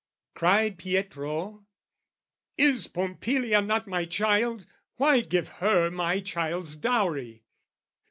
Cried Pietro, "Is Pompilia not my child? "Why give her my child's dowry?"